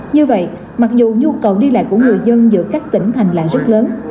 như vậy mặc dù nhu cầu đi lại của người dân giữa các tỉnh thành là rất lớn